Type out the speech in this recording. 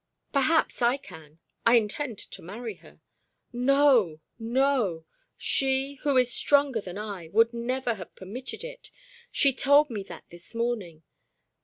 "Perhaps I can. I intend to marry her." "No! No! She, who is stronger than I, would never have permitted it. She told me that this morning.